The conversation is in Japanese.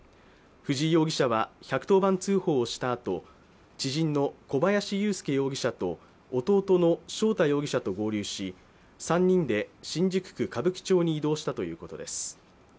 藤井容疑者は１１０番通報をしたあと、知人の小林優介容疑者と弟の翔太容疑者と合流し３人で新宿区歌舞伎町に移動したということです。